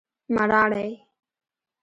مراڼی